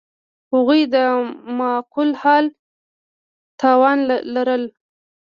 هغوی د معقول حل توان لرلو.